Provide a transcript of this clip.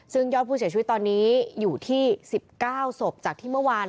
ซึ่งยอดผู้เสียชีวิตตอนนี้อยู่ที่๑๙ศพจากที่เมื่อวาน